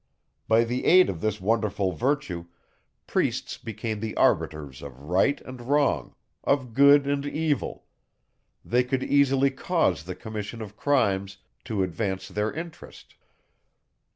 By the aid of this wonderful virtue, priests became the arbiters of right and wrong, of good and evil: they could easily cause the commission of crimes to advance their interest.